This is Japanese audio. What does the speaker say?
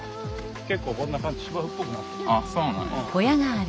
結構こんな感じ芝生っぽくなる。